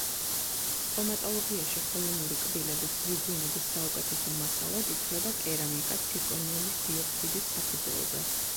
სტომატოლოგიაში ხელოვნური კბილების გვირგვინების საუკეთესო მასალად ითვლება კერამიკა ცირკონიუმის დიოქსიდის საფუძველზე.